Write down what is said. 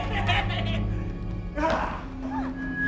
di sekalian walau sakit mulher saya